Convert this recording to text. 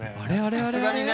さすがにね。